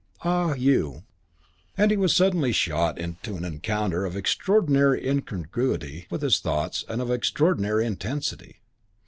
"Ah, you...." VI And he was suddenly shot into an encounter of extraordinary incongruity with his thoughts and of extraordinary intensity.